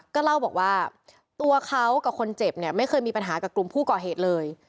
ก็เล่าบอกว่าตัวเขากับคนเจ็บเนี่ยไม่เคยมีปัญหากับกลุ่มผู้ก่อเหตุเลย